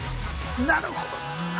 なるほど。